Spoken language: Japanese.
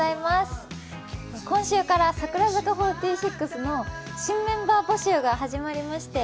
今週から櫻坂４６の新メンバー募集が始まりまして